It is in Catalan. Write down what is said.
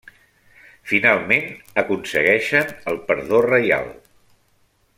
Finalment aconsegueixen el perdó reial.